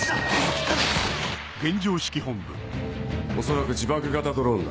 恐らく自爆型ドローンだ。